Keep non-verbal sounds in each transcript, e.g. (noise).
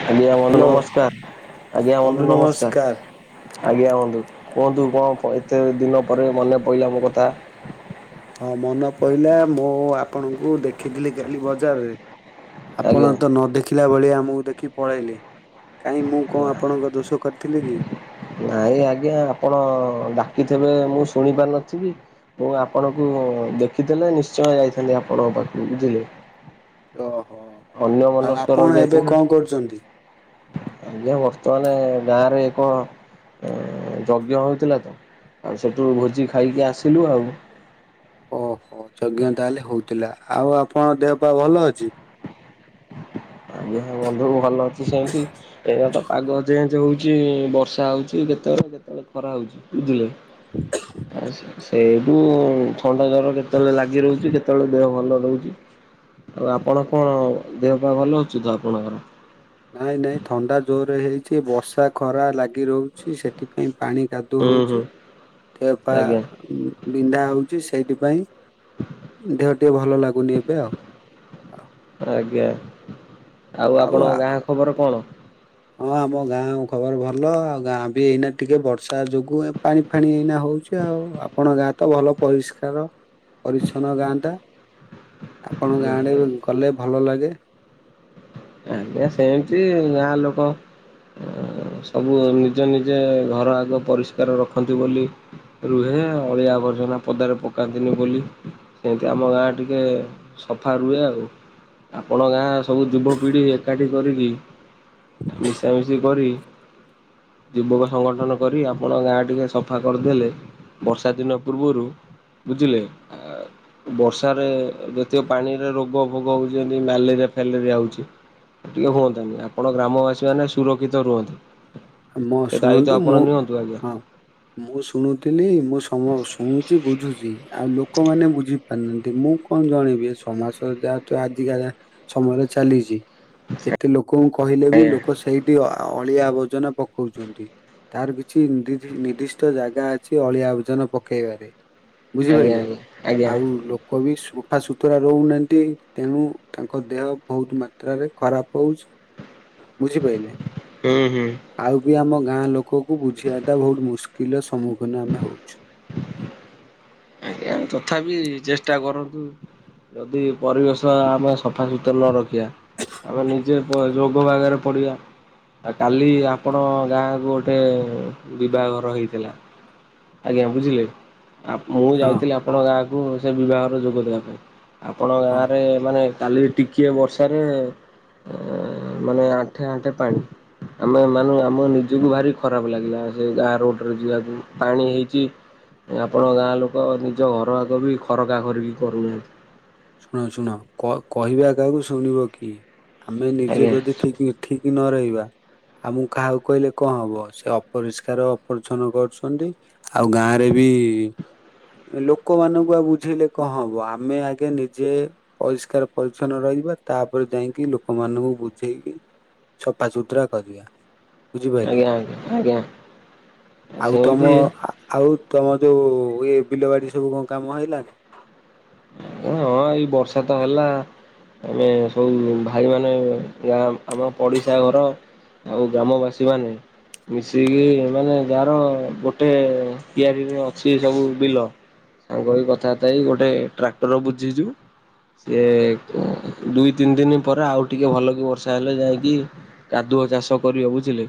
ଆଜ୍ଞା ବନ୍ଧୁ ହ୍ୟାଲୋ ନମସ୍କାର, ଆଜ୍ଞା ବନ୍ଧୁ ନମସ୍କାର। ଆଜ୍ଞା ବନ୍ଧୁ କୁହନ୍ତୁ କଣ ଏତେ ଦିନ ପରେ ମନେ ପଡିଲା ମୋ କଥା। ହଁ ମନେ ପଇଲା ମୁଁ ଆପଣଙ୍କୁ ଦେଖିଥିଲି କାଲି ବଜାରରେ। ଆପଣ ଆଜ୍ଞା। ତ ନ ଦେଖିଲା ଭଳିଆ ଆମକୁ ଦେଖି ପଳେଇଲେ। କାଇଁ ମୁଁ କଣ ଆପଣଙ୍କ ଦୋଷ କରିଥିଲି କି? ନାଇଁ ଆଜ୍ଞା ଆପଣ ଡାକିଥିବେ ମୁଁ ଶୁଣି ପାରିନଥିବି। ମୁଁ ଆପଣଙ୍କୁ ଦେଖିଦଲେ ନିଶ୍ଚୟ ଯାଇଥାନ୍ତି ଆପଣଙ୍କ ପାଖକୁ ବୁଝିଲେ। ଓହୋ। ଅନ୍ୟ ଆଉ ମନସ୍କ ଆପଣ ଏବେ ରହିଯାଇଥିବି କଣ କରୁଛନ୍ତି? ଆଜ୍ଞା ବର୍ତ୍ତମାନ ଗାଁରେ କଣ? ଯଜ୍ଞ ହଉଥିଲା ତ ଆଉ ସେଠୁ ଭୋଜି ଖାଇକି ଆସିଲୁ ଆଉ। ଓହୋ ଯଜ୍ଞ ତାହେଲେ ହଉଥିଲା ଆଉ ଆପଣଙ୍କ ଦେହ ପା ଭଲ ଅଛି? ଆଜ୍ଞା ହଁ ବନ୍ଧୁ ଭଲ ଅଛି ସେମିତି ଏବେ ତ ପାଗ ଯେନ୍ ଯ ଉଛି ବର୍ଷା ହଉଛି କେତେବେଳେ କେତେବେଳେ ଖରା ହଉଛି ବୁଝିଲେ, ଆଉ ସେଇଠୁ ଥଣ୍ଡା ଜର କେତେବେଳେ ଲାଗି ରହୁଛି କେତେବେଳେ ଦେହ ଭଲ ରହୁଛି। ଆଉ ଆପଣ କଣ ଦେହ ପା ଭଲ ଅଛି ତ ଆପଣଙ୍କର? ନାଇଁ ନାଇଁ ଥଣ୍ଡା ଜୋରେ ହେଇଛି ବର୍ଷା ଖରା ଲାଗି ରହୁଛି ସେଥିପାଇଁ ପାଣି କାଦୁ ଦୁ ହୁଁ ହୁଁ ହଉଛି ଦେହ ପା ଆଜ୍ଞା ବିନ୍ଧା ହୋଉଛି ସେଇଥି ପାଇଁ। ଦେହ ଟିକେ ଭଲ ଲାଗୁନି ଏବେ ଆଉ। ଆଜ୍ଞା। ଆଉ ଆପଣଙ୍କ ଗାଁ ଖବର କଣ? ହଁ ଆମ ଗାଁ ଖବର ଭଲ ଆଉ ଗାଁ ବି ଏଇନା ଟିକେ ବର୍ଷା ଯୋଗୁ ଏ ପାଣି ଫାଣି ଏଇନା ହଉଛି। ଆଉ ଆପଣ ଗାଁ ତ ଭଲ ପରିଷ୍କାର ପରିଛନ୍ନ ଗାଁ ଟା। ଆପଣଙ୍କ ଗାଁ ଆଡେ ଗଲେ ଭଲ ଲାଗେ। ଆଜ୍ଞା ସେମିତି ଗାଁ ଲୋକ ସବୁ ନିଜେ ନିଜେ ଘର ଆଗ ପରିଷ୍କାର ରଖନ୍ତି ବୋଲି ରୁହେ ଅଳିଆ ଆବର୍ଜନା ପଦାରେ ପକାନ୍ତିନି ବୋଲି ସେମିତି ଆମ ଗାଁ ଟିକେ ସଫା ରୁହେ ଆଉ। ଆପଣ ଗାଁ ସବୁ ଯୁବ ବିଡ଼ି ଏକାଠି କରିକି ମିଶାମିଶି କରି ଯୁବକ ସଂଗଠନ କରି ଆପଣ ଗାଁ ଟିକେ ସଫା କରିଦେଲେ ବର୍ଷା ଦିନ ପୂର୍ବରୁ ବୁଝିଲେ ବର୍ଷାରେ ଯଦିଓ ପାଣିରେ ରୋଗ ଫୋଗ ହେଉଛନ୍ତି ମ୍ୟାଲେରିଆ ଫ୍ୟାଲେରିଆ ହେଉଛି। ଟିକେ ହୁଅନ୍ତାନି ଆପଣ ଗ୍ରାମବାସୀ ମାନେ ସୁରକ୍ଷିତ ରୁହନ୍ତେ। ମୋ ଶୁଣନ୍ତୁ ମୁଁ ଆଜ୍ଞା। ହଁ। ମୁଁ ଶୁଣୁଥିଲି ମୁଁ ସମ ଶୁଣୁଛି ବୁଝୁଛି ଆଉ ଲୋକମାନେ ବୁଝି ହାନ୍ତି ମୁଁ କଣ ଜଣେଇବି ଏ ସମାସ ଯାହା ତୁ ଆଜିିକା ସମୟରେ ଚାଲିଛି ଯେତେ ଲୋକଙ୍କୁ କହିଲେ ବି ଲୋକ ସେଇଠି ଅଳିଆ ଆବର୍ଜନା ପକଉଛନ୍ତି। ତାର କିଛି ନିଧିଜି ନିର୍ଦ୍ଦିଷ୍ଟ ଜାଗା ଅଛି ଅଳିଆ ଓଜନ ପକେଇବାରେ। ଆଜ୍ଞା ବୁଝିପାରିଲେ ଆଜ୍ଞା ଆଜ୍ଞା ଆଉ ଲୋ କବି ସଫାସୁତୁରା ରହୁନାହାନ୍ତି ତେଣୁ ତାଙ୍କ ଦେହ ବହୁତ ମାତ୍ରାରେ ଖରାପ ହଉ ବୁଝିପାରିଲେ। ହୁଁ ହୁଁ। ଆଉ ବି ଆମ ଗାଁ ଲୋକକୁ ବୁଝିବା ଟା ବହୁତ ମୁସ୍କିଲ ର ସମ୍ମୁଖୀନ ଆମେ ହଉଛୁ। ଆଜ୍ଞା ତଥାପି ଚେଷ୍ଟା କରନ୍ତୁ ଯଦି ପରିବେଶ ଆମେ ସଫା ସୁୁତୁରା ନ ରଖିବା ତାପ ନିଜେ ପ ରୋଗ ବାଗରେ ପଡ଼ିବେ ଆଉ କାଲି ଆପଣ ଗାଁକୁ ଗୋଟେ ବିବାଘର ହେଇଥିଲା ଆଜ୍ଞା ବୁଝିଲେ ଆପ ମୁଁ ଯାଇ ହଁ ଆପଣ ଗାଁକୁ ସେ ବିବାହର ଯୋଗଦେବା ପାଇଁ ଆପଣ ହଁ ଗାଁରେ ମାନେ କାଲି ଟିକିଏ ବର୍ଷାରେ ମାନେ ଆଣ୍ଠେ ଆଣ୍ଠେ ପାଣି। ଆମେ ମାନ ଆମ ନିଜକୁ ଭାରି ଖରାପ ଲାଗିଲା ସେ ଗାଁ ରୋଡରେ ଯିବାକୁ ପାଣି ହେଇଛି। ଆପଣ ଗାଁ ଲୋକ ନିଜ ଘର ଆଗ ବି ଖରକା ଖରିକି କରୁନାହାନ୍ତି। ଶୁଣ ଶୁଣ କ କହିବା କାହାକୁ ଶୁଣିବ କିଏ ଆମେ ନିଜେ ଆଜ୍ଞା ଯଦି ଠିକ ଠିକ ନ ରହିବା। ଆଉ ମୁଁ କାହାକୁ କହିଲେ କଣ ହବ ସେ ଅପରିଷ୍କାର ଅପରିଚ୍ଛନ କରୁଛନ୍ତି। ଆଉ ଗାଁରେ ବି ଲୋକମାନଙ୍କୁ ଆଉ ବୁଝେଇଲେ କ‌ଅ‌‌ ହବ ଆମେ ଆଗେ ନି ଯେ ପରିଷ୍କାର ପରିଛନ୍ନ ରହିବା ତାପରେ ଯାଇକି ଲୋକମାନଙ୍କୁ ବୁଝେଇକି ଛଫା ସୁୁତୁରା କରିବା। ବୁଝିପାଇଲେ ଆଜ୍ଞା ଆଜ୍ଞା ଆଜ୍ଞା ଆଉ ତମ ସେମିତି ଆଉ ତମ ଯୋଉ ଇଏ ବିଲ ବାଡି ସବୁ କଣ କାମ ହେଲାଣି? ହଁ ଏଇ ବର୍ଷା ତ ହେଲା। ଆମେ ସବୁ ଭାଇ ମାନେ ଗାଁ ଆମ ପଡିଶା ଘର ଆଉ ଗ୍ରାମବାସୀ ମାନେ। ମିଶିକି ମାନେ ଯାହାର ଗୋଟେ କିଆରିରେ ଅଛି ସବୁ ବିଲ। ସଂଗହେଇ କଥାବାର୍ତ୍ତା ହେଇ ଗୋଟେ ଟ୍ରାକ୍ଟର ବୁଝିଛୁ। ସେ ଦୁଇ ତିନି ଦିନ ପରେ ଆଉ ଟିକେ ଭଲ କି ବର୍ଷା ହେଲେ ଯାଇକି କାଦୁଅ ଚାଷ କରିବ ବୁଝିଲେ।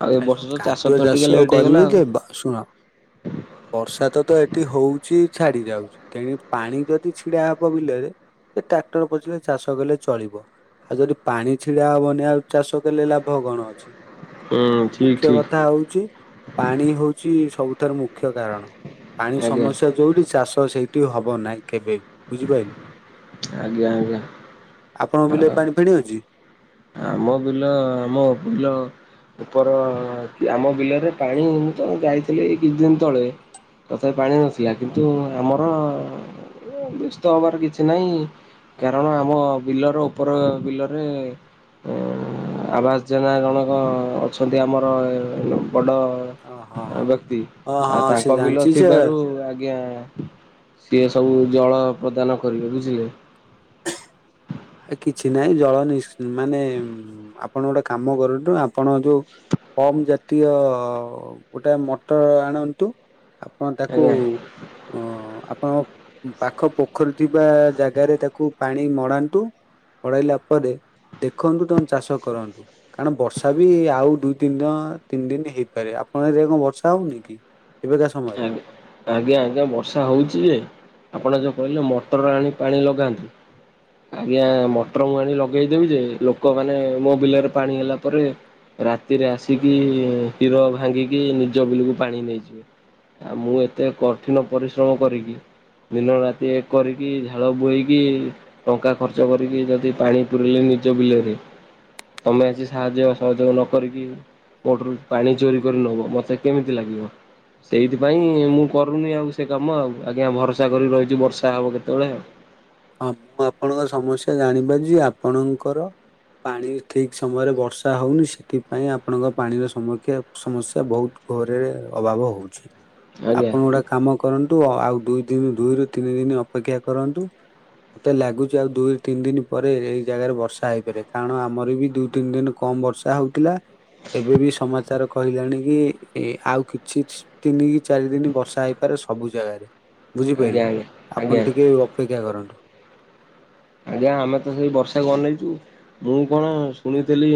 ଆଉ ଏ ବର୍ଷ ଶୁଣ ତ ତ କାଦୁଅ ଟିକେ ଚାଷ ଲେଟ୍ ହେଇଗଲା କରିବେ ଆଉ। ଯେ ବ ଶୁଣ। ବର୍ଷା ତ ତ ଏଠି ହଉଚି ଛାଡି ଯାଉଛି। ତେ‌ନି ପାଣି ଯଦି ଛିଡା ହବ ବିଲରେ ସେ ଟ୍ରାକ୍ଟର ପସିଲେ ଚାଷ କଲେ ଚଳିବ। ଆଉ ଯଦି ପାଣି ଛିଡା ହବନି ଆଉ ଚାଷ କଲେ ଲାଭ କଣ ଅଛି। ହୁଁ ଠିକ ମୁଖ୍ୟ ଠିକ କଥା ହଉଛି ପାଣି ହଉଛି ସବୁଠାରୁ ମୁଖ୍ୟ କାରଣ। ପାଣି ଆଜ୍ଞା ସମସ୍ୟା ଯୋଉଠି ଚାଷ ସେଇଠି ହବ ନାହିଁ କେବେ ବି। ବୁଝିପାରିଲେ ଆଜ୍ଞା ଆପଣଙ୍କ ବିଲରେ ଆଜ୍ଞା। ପାଣି ଫାଣି ଅଛି? ଆମ ବିଲ ଆମ ବିଲ। ଉପର ଆମ ବିଲରେ ପାଣି ତ ଯାଇଥିଲି କିଛି ଦିନ ତଳେ। ତଥାପି ପାଣି ନଥିଲା କିନ୍ତୁ ଆମର ବ୍ୟସ୍ତ ହବାର କିଛି ନାହିଁ କାରଣ ଆମ ବିଲର ଉପର ବିଲରେ ଉଁ ଆବାଜେନା ଜଣକ ଅଛନ୍ତି ଆମର ବଡ ଓ ହଁ ହଁ ଆବ୍ୟକ୍ତି ହଁ ହଁ ସେ ଆତାଙ୍କ ବିଲ ଜାଣିଛି ସେ ଥିବାରୁ ଆଜ୍ଞା। ସିଏ ସବୁ ଜଳ ପ୍ରଦାନ କରିବେ ବୁଝିଲେ। ଆ କିଛି ନାହିଁ ଜଳ ନିସ୍ ମାନେ ଆପଣ ଗୋଟେ କାମ କରୁନ୍ତୁ ଆପଣ ଯୋଉ କମ୍ ଜାତୀୟ ଗୋଟେ ମଟର ଆଣନ୍ତୁ ଆପଣ ତାକୁ ଆଜ୍ଞା ଓହୋ ଆପଣ ପାଖ ପୋଖରୀ ଥିବା ଜାଗାରେ ତାକୁ ପାଣି ମଡ଼ାନ୍ତୁ। ମଡ଼େଇଲା ପରେ ଦେଖନ୍ତୁ ତମେ ଚାଷ କରନ୍ତୁ। କାରଣ ବର୍ଷାବି ଆଉ ଦୁଇ ତିନି ଦିନ ତିନି ଦିନ ହେଇପାରେ ଆପଣ ଏରିଆରେ କଣ ବର୍ଷା ହଉନି କି? ଏବେକା ସମୟରେ? ଆଜ୍ଞା। ଆଜ୍ଞା ଆଜ୍ଞା ବର୍ଷା ହଉଚିଯେ ଆପଣ ଯୋଉ କହିଲେ ମଟର ଆଣି ପାଣି ଲଗାନ୍ତୁ। ଆଜ୍ଞା ମଟର ମୁଁ ଆଣି ଲଗେଇଦେବିଯେ ଲୋକମାନେ ମୋ ବିଲରେ ପାଣି ହେଲା ପରେ ରାତିରେ ଆସିକି ହୀର ଭାଙ୍ଗିକି ନିଜ ବିଲକୁ ପାଣି ନେଇଯିବେ। ଆ ମୁଁ ଏତେ କଠିନ ପରିଶ୍ରମ କରିକି ଦିନ ରାତି ଏକ କରିକି ଝାଳ ବୁହେଇକି ଟଙ୍କା ଖର୍ଚ୍ଚ କରିକି ଯଦି ପାଣି ପୁରେଇଲେ ନିଜ ବିଲରେ ତମେ ଆଜି ସାହାଯ୍ୟ ସହଯୋଗ ନକରିକି ମୋଠୁରୁ ପାଣି ଚୋରି କରି ନବ ମୋତେ କେମିତି ଲାଗିବ। ସେଇଥିପାଇଁ ମୁଁ କରୁନି ଆଉ ସେକାମ ଆଉ ଆଜ୍ଞା ଭରସା କରିକି ରହିଚି ବର୍ଷା ହେବ କେତେବେଳେ ଆଉ। ହଁ ମୁଁ ଆପଣଙ୍କ ସମସ୍ୟା ଜାଣିପାରୁଛି ଆପଣଙ୍କର ପାଣି ଠିକ୍ ସମୟରେ ବର୍ଷା ହଉନି ସେଥିପାଇଁ ଆପଣଙ୍କ ପାଣିର ସମକ୍ଷା ସମସ୍ୟା ବହୁତ୍ ଘରେ ଅଭାବ ହଉଚି। ଆଜ୍ଞା ଆପଣ ଗୋଟେ କାମ କରନ୍ତୁ ଆଉ ଦୁଇ ଦିନି ଦୁଇରୁ ତିନି ଦିନି ଅପେକ୍ଷା କରନ୍ତୁ। ମତେ ଲାଗୁଚି ଆଉ ଦୁଇ ତିନି ଦିନି ପରେ ଏଇ ଜାଗାରେ ବର୍ଷା ହେଇପାରେ କାରଣ ଆମରବି ଦୁଇ ତିନି ଦିନ୍ କମ୍ ବର୍ଷା ହଉଥୁଲା ଏବେବି ସମାଚାର କହିଲାଣିକି ଇ ଆଉ କିଛି ତିନିକି ଚାରି ଦିନି ବର୍ଷା ହେଇପାରେ ସବୁ ଜାଗାରେ ଆଜ୍ଞା ବୁଝିପାରିଲେ ଆଜ୍ଞା ଆଜ୍ଞା ଆପଣ ଟିକେ ଅ ଅପେକ୍ଷା କରନ୍ତୁ। ଆଜ୍ଞା ଆମେତ ସେଇ ବର୍ଷାକୁ ଅନେଇଚୁ। ମୁଁ କଣ ଶୁଣିଥିଲି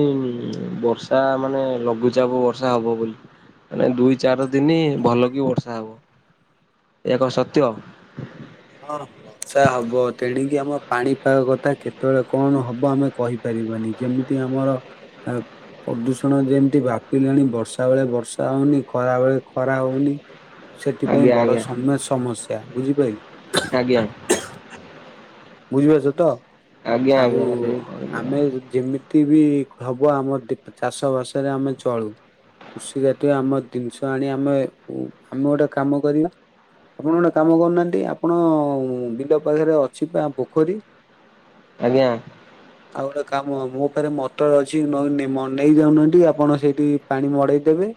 ବର୍ଷା ମାନେ ଲଘୁଚାପ ବର୍ଷା ହବ ବୋଲି। ମାନେ ଦୁଇ ଚାର ଦିନି ଭଲକି ବର୍ଷା ହବ ଏହା କଁ ସତ୍ୟ? ହଁ ବର୍ଷା ହବ ତେଣିକି ଆମ ପାଣିପାଗ କଥା କେତେବେଳେ କଣ ହବ ଆମେ କହି ପାରିବାନି ଯେମିତି ଆମର ଅ ପ୍ରଦୂଷଣ ଯେମିତି ଵାପିଲାଣି ବର୍ଷା ବେଳେ ବର୍ଷା ହଉନି ଖରା ବେଳେ ଖରା ହଉନି ସେଥିପାଇଁ ଆଜ୍ଞା ବଡ଼ ଆଜ୍ଞା ସମ୍ୟ ସମସ୍ୟା ବୁଝିପାରଲୁ। ଆଜ୍ଞା। ବୁଝିପାରୁଚତ ଆଜ୍ଞା ଆଉ ଆଜ୍ଞା ସେଇ ଆମେ ଯ ଯେମିତିବି ହବ ଆମ ଟିପ୍ ‌ଚାଷ ବାସରେ ଆମେ ଚଳୁ କୃଷି ଜାତୀୟ ଆମ ଜିନିଷ ଆଣି ଆମେ ଉ ଆମେ ଗୋଟେ କାମ କରିବା ଆପଣ ଗୋଟେ କାମ କରୁନାହାନ୍ତି ଆପଣ ବିଲ ପାଖରେ ଅଛିପା ପୋଖରୀ? ଆଜ୍ଞା। (inaudible) ଆଉ ଗୋଟେ କାମ ମୋ ପାଖରେ ମଟର ଅଛି ନହେଲେ ନ ମ, ନେଇଯାଉନାହାନ୍ତି ଆପଣ ସେଇଠି ପାଣି ମଡ଼େଇ ଦେବେ।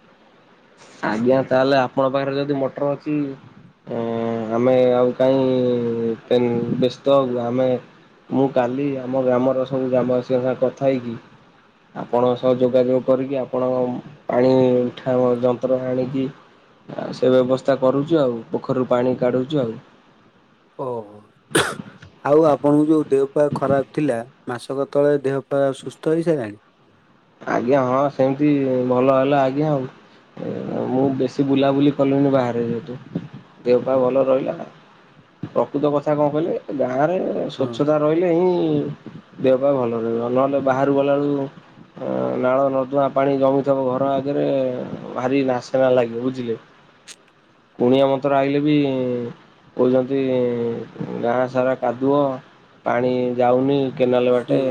ଆଜ୍ଞା ତାହେଲେ ଆପଣଙ୍କ ପାଖରେ ଯଦି ମଟର ଅଛି ଉଁ ଆମେ ଆଉ କାହିଁ ପେନ ବ୍ୟସ୍ତ ହବୁ ଆମେ ମୁଁ କାଲି ଆମ ଗ୍ରାମର ସବୁ ଗ୍ରାମବାସୀଙ୍କ ସାଙ୍ଗେ କଥା ହେଇକି ଆପଣଙ୍କ ସହ ଯୋଗାଯୋଗ କରିକି ଆପଣଙ୍କ ପାଣି ଉଠା ହବ ଯନ୍ତ୍ର ଆଣିକି ସେ ବ୍ୟବସ୍ଥା କରୁଛୁ ଆଉ ପୋଖରୀରୁ ପାଣି କାଢ଼ୁଛୁ ଆଉ। ଓ। ଆଉ ଆପଣଙ୍କୁ ଯୋଉ ଦେହ ପା ଖରାପ ଥିଲା ମାସକ ତଳେ ଦେହ ପା ସୁସ୍ଥ ହେଇସାରିଲାଣି। ଆଜ୍ଞା ହଁ ସେମତି ଭଲ ହେଲା ଆଜ୍ଞା ଆଉ। ମୁଁ ବେଶୀ ବୁଲାବୁଲି କଲିନି ବାହାରେ ଯେହେତୁ ଦେହପା ଭଲ ରହିଲା ଆ ପ୍ରକୃତ କଥା କଣ କହିଲେ ଏ ଗାଁ ରେ ହଁ ସ୍ୱଚ୍ଛତା ରହିଲେ ହିଁ ଦେହ ପା ଭଲ ରହିବ ନହେଲେ ବାହାରୁ ଗଲାବେଳୁ ହଁ ନାଳ ନଦୁଆଁ ପାଣି ଜମିଥିବ ଘର ଆଗରେ ଭାରି ନାସେନା ଲାଗିବ ବୁଝିଲେ। କୁଣିଆ ମନ୍ତ୍ର ଆଇଲେ‌ ବି କହୁଛନ୍ତି ଗାଁ ସାରା କାଦୁଅ ପାଣି ଯାଉନି। କେନାଲ ଶୁଣ ବାଟେ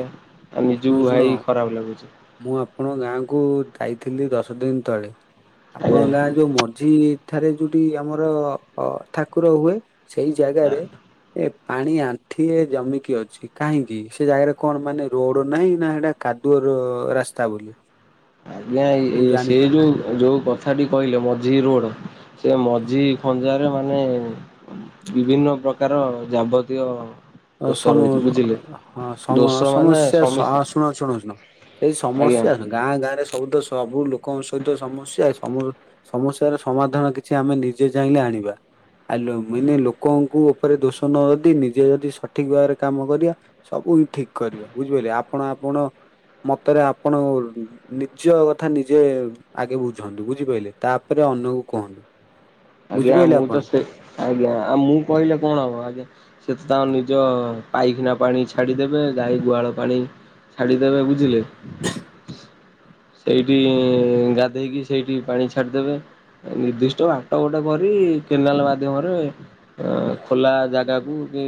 ଆ ଶୁଣ ନିଜକୁ ଶୁଣ ଭାଇ ଖରାପ ଲାଗୁଛି। ମୁଁ ଆପଣଙ୍କ ଗାଁ କୁ ଯାଇଥିଲି ଦଶ ଦିନ ତଳେ ଆଜ୍ଞା ଆପଣଙ୍କ ଗାଁ ଯୋଉ ମ ଝି ଠାରେ ଯୋଉଠି ଆମର ଅ ଠାକୁର ହୁଏ ସେଇ ଜାଗାରେ ଏ ପାଣି ଆଣ୍ଠି ଏ ଜମିକି ଅଛି କାହିଁକି? ସେ ଜାଗାରେ କଣ ମାନେ ରୋଡ ନାହିଁ ନା ସେଟା କାଦୁଅର ରାସ୍ତା ବୋଲି। ଆଜ୍ଞା ଏ ମୁଁ ଏ ସେ ଜାଣିପାରୁନି। ଯୋଉ ଯୋଉ କଥାଟି କହିଲେ ମଝି ରୋଡ ସେ ମଝି ଖଞ୍ଜାରେ ମାନେ ବିଭିନ୍ନ ପ୍ରକାର ଯାବତୀୟ ଅ, ଦୋଷ ସମ ରହିଛି ବୁଝିଲେ। ହଁ ସମ ଦୋଷ ମାନେ ସମସ୍ୟା ସମିସ୍ତ ହଁ- ଶୁଣ -ଶୁଣ -ଏହି ଆଜ୍ଞା ସମସ୍ୟାର କି ଗାଁ ଗାଁ ରେ ସବୁ ତ ସବୁ ଲୋକଙ୍କ ସହିତ ସମସ୍ୟା ସମ ସମସ୍ୟାର ସମାଧାନ କିଛି ଆମେ ନିଜେ ଚାହିଁଲେ ଆଣିବା। ଆ ଲୋ ମିନେ ଲୋକଙ୍କୁ ଉପରେ ଦୋଷ ନ ଯଦି ନିଜେ ଯଦି ସଠିକ ଭାବରେ କାମ କରିବା ସବୁ ହି ଠିକ କରିବା ବୁଝିପାରିଲେ ଆପଣ ଆପଣ ମତେରେ ଆପଣ ଉ ନିଜ କଥା ନିଜେ ଆଗେ ବୁଝନ୍ତୁ ବୁଝିପାଇଲେ ତାପରେ ଅନ୍ୟକୁ କୁହନ୍ତୁ। ଆଜ୍ଞା। ବୁଝିପାରିଲେ ମୁଁ ଆପଣ? ତ ସେ, ଆଜ୍ଞା। ଆଉ ମୁଁ କହିଲେ କଣ ହବ ଆଜ୍ଞା। ସେତ ତାଙ୍କ ନିଜ ପାଇଖାନା ପାଣି ଛାଡ଼ିଦେବେ ଗାଈ ଗୁହାଳ ପାଣି ଛାଡ଼ିଦେବେ ବୁଝିଲେ। ସେଇଠି ଗାଧେଇକି ସେଇଠି ପାଣି ଛାଡିଦେବେ। ନିର୍ଦ୍ଦିଷ୍ଟ ବାଟ ଗୋଟେ କରି କେନାଲ ମାଧ୍ୟମରେ ଅ ଖୋଲା ହୁଁ ଜାଗାକୁ କି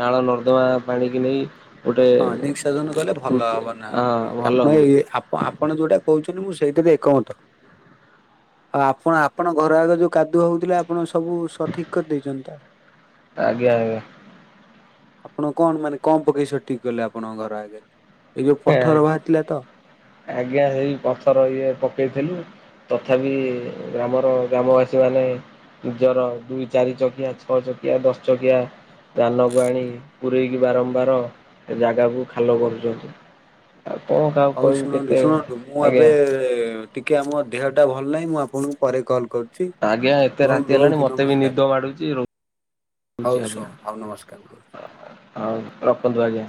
ନାଳ ନର୍ଦ୍ଦମା ପାଣିକି ନେଇ ଗୋଟେ ହଁ ନିକସାଧନ କଲେ ଭଲ କୃତି ହବ ନା ହଁ ଭଲ ଆପଣ ହୁଅନ୍ତା। ଏଇ ଆପ୍ ଆପଣ ଯୋଉଟା କହୁଛନ୍ତି ମୁଁ ସେଇଥିରେ ଏକମତ। ଆଉ ଆପଣ ଆପଣ ଘର ଆଗ ଯୋଉ କାଦୁଅ ହଉଥିଲେ ଆପଣ ସବୁ ସଠିକ କରିଦେଇଛନ୍ତିତ ଇୟା ଇୟା। ଆପଣ କଣ ମାନେ କଣ ପକେଇ ସଠିକ କଲେ ଆପଣଙ୍କ ଘର ଆଗରେ। ଏଇ ଯୋଉ ପଥର ବାହାରିଥିଲା ତ। ଆଜ୍ଞା ସେଇ ପଥର ଇଏ ପକେଇଥେଲୁ। ତଥାପି ଗ୍ରାମର ଗ୍ରାମବାସୀମାନେ ନିଜର ଦୁଇ ଚାରି ଚକିଆ, ଛଅ ଚକିଆ, ଦଶ ଚକିଆ ଧାନକୁ ଆଣି ପୂରେଇକି ବାରମ୍ବାର ସେ ଜାଗାକୁ ଖାଲ କରୁଚନ୍ତି। ଆ କଣ କା ହଉ ଶୁଣନ୍ତୁ ଶୁଣନ୍ତୁ ମୁଁ ଏବେ ଟିକେ ଆମ ଦେହଟା ଭଲ ନାହିଁ ମୁଁ ଆପଣଙ୍କୁ ପରେ କଲ୍ କର ଆଜ୍ଞା ଏତେ ରାତି ହେଲାଣି ମତେ ବି ନିଦ ମାଡୁଚି। ହଉ ଶୁଅ ହଉ ନମସ୍କାର ରହୁଚି। ହଉ ରଖନ୍ତୁ ଆଜ୍ଞା।